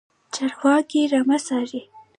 چرواکی رمه څاري.